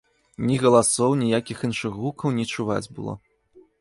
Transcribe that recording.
Ні галасоў, ніякіх іншых гукаў не чуваць было.